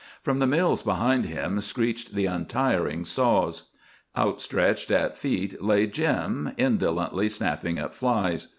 From the mills behind him screeched the untiring saws. Outstretched at his feet lay Jim, indolently snapping at flies.